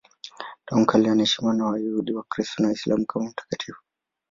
Tangu kale anaheshimiwa na Wayahudi, Wakristo na Waislamu kama mtakatifu.